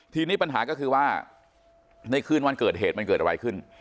ทีนี้ปัญหาก็คือว่าในคืนวันเกิดเหตุมันเกิดอะไรขึ้น